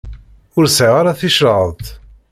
Ur sɛiɣ ara ticreḍt.